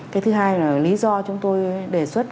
cái thứ hai là lý do chúng tôi đề xuất